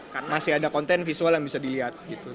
karena masih ada konten visual yang bisa dilihat gitu